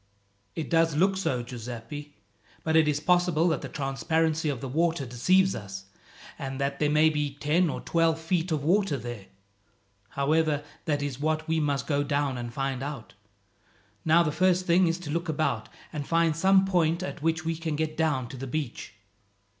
"It does look so, Giuseppi; but it is possible that the transparency of the water deceives us, and that there may be ten or twelve feet of water there. However, that is what we must go down and find out. Now the first thing is to look about, and find some point at which we can get down to the beach."